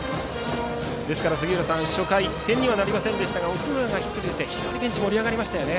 ですから、杉浦さん初回、点にはなりませんでしたが奥村がヒットで出て非常にベンチは盛り上がりました。